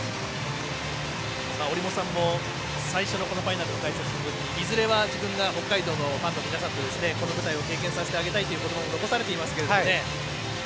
折茂さんも最初のファイナルの解説のときにいずれは自分が北海道のファンの皆さんにこの舞台を経験させてあげたいということばを残されていますけど。